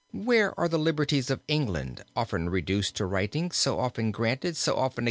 Where are the liberties of England, often reduced to writing, so often granted, so often again denied?"